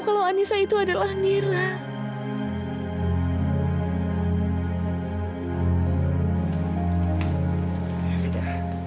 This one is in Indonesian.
kalau anissa itu adalah nira